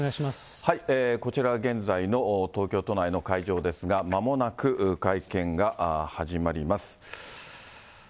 こちら、現在の東京都内の会場ですが、まもなく会見が始まります。